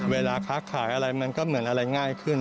เวลาค้าขายอะไรมันก็เหมือนอะไรง่ายขึ้น